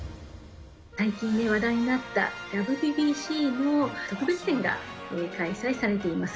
最近話題になったＷＢＣの特別展が開催されています。